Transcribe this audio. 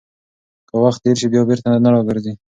که وخت تېر شي، بیا بیرته نه راګرځي.